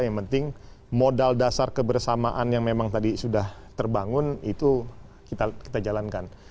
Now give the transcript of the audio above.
yang penting modal dasar kebersamaan yang memang tadi sudah terbangun itu kita jalankan